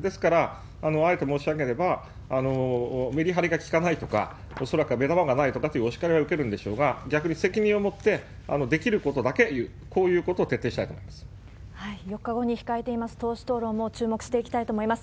ですから、あえて申し上げれば、メリハリが利かないとか、恐らくは目玉がないとかおしかりは受けるんでしょうが、逆に責任を持って、できることだけ言う、こうい４日後に控えています、党首討論も注目していきたいと思います。